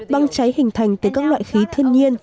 băng cháy hình thành từ các loại khí thiên nhiên